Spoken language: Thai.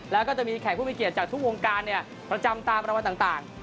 แล้วก็จะมีแขกผู้มีเกียรติจากทุกวงการประจำตามรางวัลต่าง